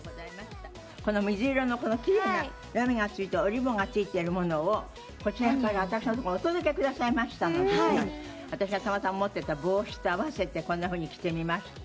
この水色のきれいなラメがついたおリボンがついてるものをこちらから私のところにお届けくださいましたものですから私がたまたま持っていた帽子と合わせてこんなふうに着てみました。